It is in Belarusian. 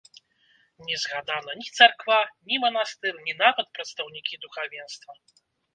Не згадана ні царква, ні манастыр, ні нават прадстаўнікі духавенства.